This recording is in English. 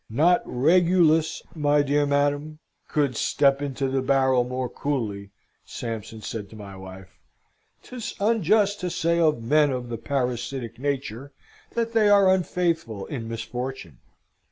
"Not Regulus, my dear madam, could step into his barrel more coolly," Sampson said to my wife. 'Tis unjust to say of men of the parasitic nature that they are unfaithful in misfortune.